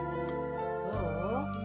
そう？